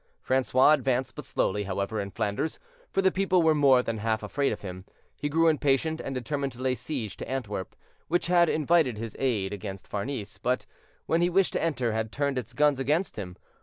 Francois advanced but slowly, however, in Flanders, for the people were more than half afraid of him; he grew impatient, and determined to lay siege to Antwerp, which had invited his aid against Farnese, but when he wished to enter had turned its guns against him.